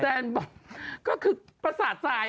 แซนบ็อกซ์ก็คือปราสาททราย